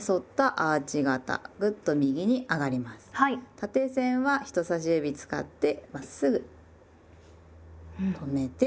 縦線は人さし指使ってまっすぐ止めて。